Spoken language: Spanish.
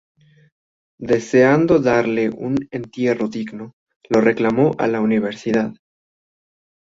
Deseando darle un entierro digno, lo reclamó a la universidad.